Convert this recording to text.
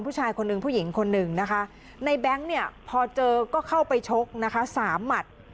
ผู้ชายคนหนึ่งผู้หญิงคนหนึ่งนะคะในแบงค์เนี่ยพอเจอก็เข้าไปชกนะคะสามหมัด